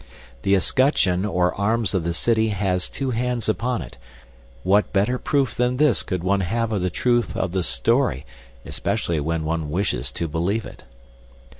The escutcheon or arms of the city has two hands upon it; what better proof than this could one have of the truth of the story, especially when one wishes to believe it!